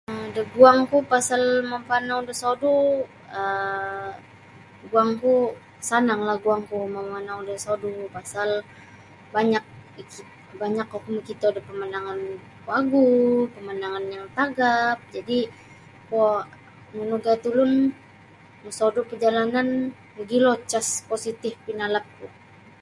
um daguangku pasal mampanau da sodu' um guangku sananglah guangku mamanau da sodu' pasal banyak um banyak oku makito da pamandangan wagu pamandangan yang tagap jadi' kuo nunu gayat ulun mosodu' parjalanan mogilo cas positif inalapku.